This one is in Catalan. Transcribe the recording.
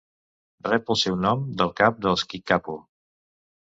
Rep el seu nom del cap dels kickapoo.